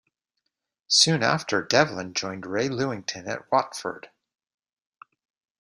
Soon after Devlin joined Ray Lewington and Watford.